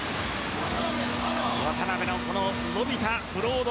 渡邊の伸びたブロード。